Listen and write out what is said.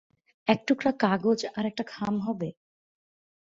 এক টুকরা কাগজ আর একটা খাম হবে?